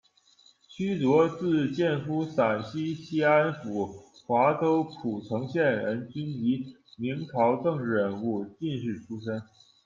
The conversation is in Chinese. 屈灼，字见夫，陕西西安府华州蒲城县人，军籍，明朝政治人物、进士出身。